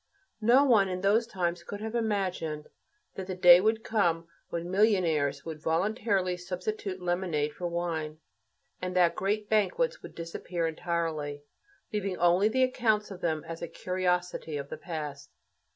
No one in those times could have imagined that the day would come when millionaires would voluntarily substitute lemonade for wine, and that great banquets would disappear entirely, leaving only the accounts of them as a "curiosity" of the past.